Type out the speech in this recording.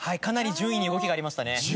かなり順位に動きがありましたね。